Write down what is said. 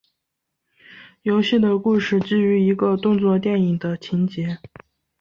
游戏的故事基于一个动作电影的情节。